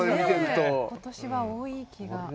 今年は多い気が。